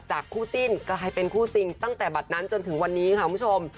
คู่จิ้นกลายเป็นคู่จริงตั้งแต่บัตรนั้นจนถึงวันนี้ค่ะคุณผู้ชม